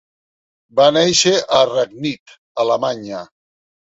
Va néixer a Ragnit, Alemanya.